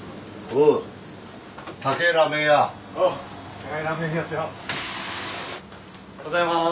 おはようございます。